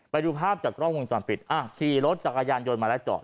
ไปดูภาพจากกล้องวงจรปิดอ่ะขี่รถจักรยานยนต์มาแล้วจอด